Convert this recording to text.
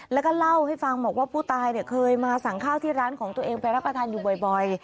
แล้วก็เล่าให้ฟังบอกว่าผู้ตายเนี่ยเคยมาสั่งข้าวที่ร้านของตัวเองไปรับประทานอยู่บ่อย